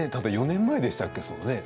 ただ４年前でしたっけ